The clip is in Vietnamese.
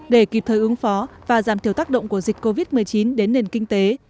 để kịp thời ứng phó và giảm thiểu tác động của dịch covid một mươi chín đến nền kinh tế